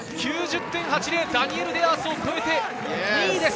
ダニエル・デアースを超えて２位です。